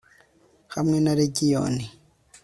hamwe na legiyoni